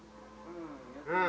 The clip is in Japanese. うん。